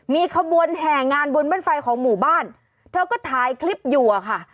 มีขบวนแห่งานบนบ้านไฟของหมู่บ้านเธอก็ถ่ายคลิปอยู่อะค่ะ